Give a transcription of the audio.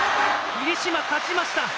霧島、勝ちました。